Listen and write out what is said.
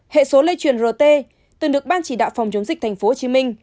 hệ số lây chuyển rt từng được ban chỉ đạo phòng chống dịch tp hcm